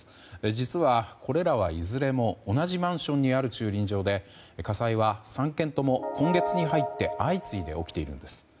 実は、これらはいずれも同じマンションにある駐輪場で火災は３件とも今月に入って相次いで起きているんです。